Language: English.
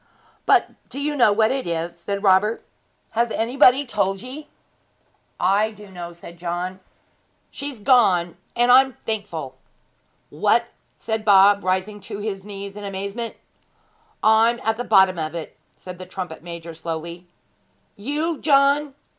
'But do you know what it is?' said Robert. 'Has anybody told ye?' 'I do know,' said John. 'She's gone; and I am thankful!' 'What!' said Bob, rising to his knees in amazement. 'I'm at the bottom of it,' said the trumpet major slowly. 'You, John?'